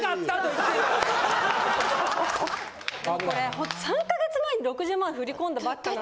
ホント３か月前に６０万振り込んだばっかなんで。